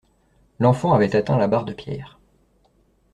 L'enfant avait atteint la barre de pierre.